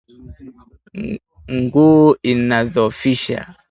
nguu inadhoofika